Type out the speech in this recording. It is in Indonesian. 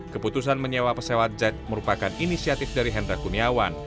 keputusan menyewa pesawat jet merupakan inisiatif dari hendra kuniawan